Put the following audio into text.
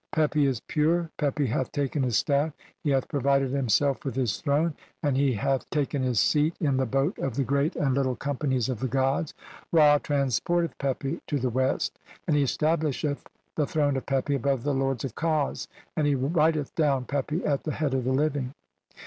(169) "Pepi is pure. Pepi hath taken his staff, he "hath provided himself with his throne, and he hath THE ELYS/AN EIELDS OR HEAVEN. CXXXIX "taken his seat in the boat of the Great and Little "Companies of the gods ; Ra transporteth Pepi to the "West, and he stablisheth the throne of Pepi above "the lords of has, and he writeth down Pepi at the "head of the living.